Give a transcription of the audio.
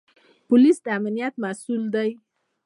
پولیس د امنیت مسوول دی